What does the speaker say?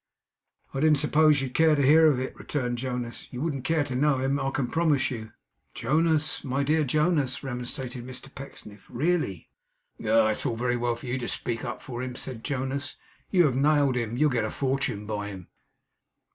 'I didn't suppose you'd care to hear of it,' returned Jonas. 'You wouldn't care to know him, I can promise you.' 'Jonas! my dear Jonas!' remonstrated Mr Pecksniff. 'Really!' 'Oh! it's all very well for you to speak up for him,' said Jonas. 'You have nailed him. You'll get a fortune by him.